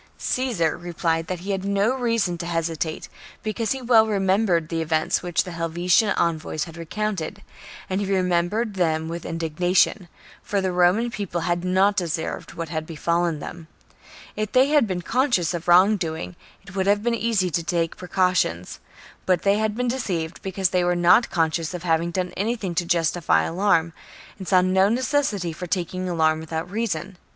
14. Caesar replied that he had no reason to hesitate, because he well remembered the events which the Helvetian envoys had recounted ; and he remembered them with indignation, for the Roman People had not deserved what had befallen them. If they had been conscious of wrong doing it would have been easy to take precautions ; but they had been deceived because they were not conscious of having done anything to justify alarm, and saw no necessity for taking alarm without reason.